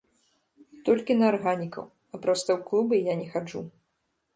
Толькі на арганікаў, а проста ў клубы я не хаджу.